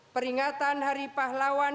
peringatan hari pahlawan